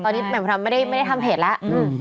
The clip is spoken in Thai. ตอนนี้แหม่มไม่ได้ทำเพจแล้ว